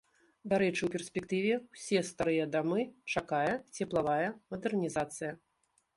Дарэчы, у перспектыве ўсе старыя дамы чакае цеплавая мадэрнізацыя.